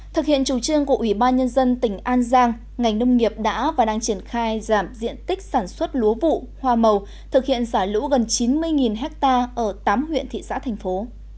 thực hiện chủ trương của ủy ban nhân dân tỉnh an giang ngành nông nghiệp đã và đang triển khai giảm diện tích sản xuất lúa vụ hoa màu thực hiện xả lũ gần chín mươi ha ở tám huyện thị xã thành phố